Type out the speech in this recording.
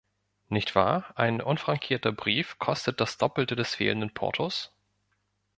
Nicht wahr, ein unfrankierter Brief kostet das Doppelte des fehlenden Portos?